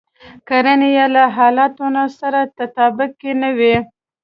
کړنې يې له حالتونو سره تطابق کې نه وي.